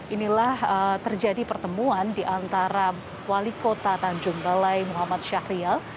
inilah terjadi pertemuan di antara wali kota tanjung balai muhammad syahrial